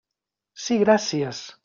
Sí, gràcies.